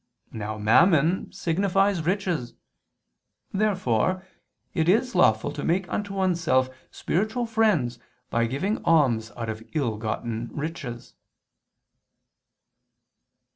Now mammon signifies riches. Therefore it is lawful to make unto oneself spiritual friends by giving alms out of ill gotten riches.